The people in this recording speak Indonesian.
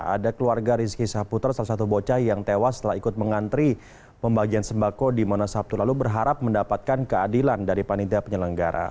ada keluarga rizky saputra salah satu bocah yang tewas setelah ikut mengantri pembagian sembako di monas sabtu lalu berharap mendapatkan keadilan dari panitia penyelenggara